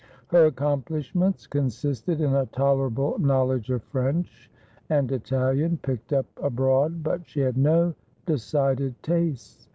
Her accomplishments consisted in a tolerable knowledge of French and Italian picked up abroad, but she had no decided tastes.